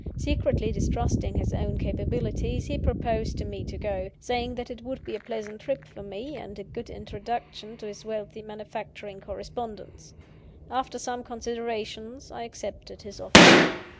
Secretly distrusting his own capabilities, he proposed to me to go; saying that it would be a pleasant trip for me, and a good introduction to his wealthy manufacturing correspondents. After some consideration, I accepted his offer.